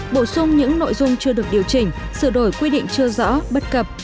bổ sung những nội dung chưa được điều chỉnh sửa đổi quy định chưa rõ bất cập